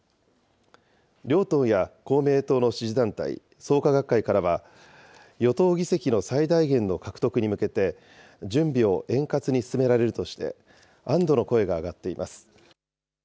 両党や公明党の支持団体、創価学会からは、与党議席の最大限の獲得に向けて、準備を円滑に進められるとして、安どの声が上がっています。